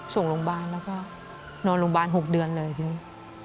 ส่งโรงบาลมาก็นอนโรงบาล๖เดือนเลยทีนี้